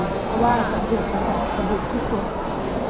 เพราะว่าสะดุดนะคะสะดุดที่สุด